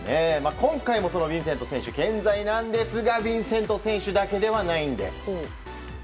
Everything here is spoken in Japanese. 今回もヴィンセント選手健在なんですがヴィンセント選手だけではないんです。